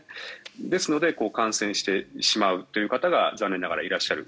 ですので感染してしまうという方が残念ながらいらっしゃる。